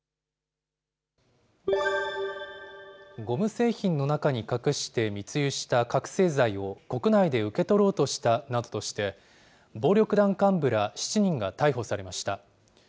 ゴム製品の中に隠して密輸した覚醒剤を、国内で受け取ろうとしたなどとして、暴力団幹部ら７人が逮捕されました。